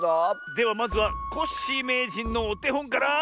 ではまずはコッシーめいじんのおてほんから。